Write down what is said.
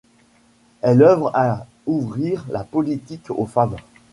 Elle œuvre à ouvrir la politique aux femmes.